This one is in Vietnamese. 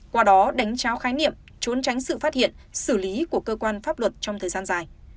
qua đó đánh trao khái niệm trốn tránh sự phát hiện xử lý của cơ quan pháp luật trong thời gian dài